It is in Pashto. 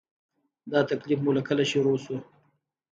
دا تکلیف مو له کله شروع شو؟